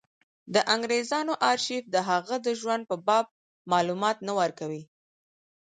د انګرېزانو ارشیف د هغه د ژوند په باب معلومات نه ورکوي.